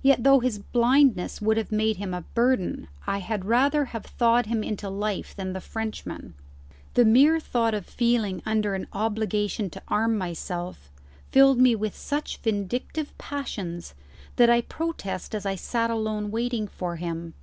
Yet though his blindness would have made him a burden, I had rather have thawed him into life than the Frenchman. The mere thought of feeling under an obligation to arm myself filled me with such vindictive passions that I protest as I sat alone waiting for him.